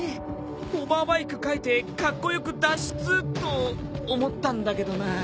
ホバーバイク描いてカッコ良く脱出と思ったんだけどな。